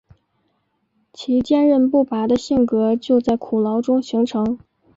其坚忍不拔的性格就在苦牢中形成。